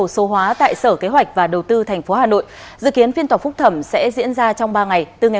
xin chào và hẹn gặp lại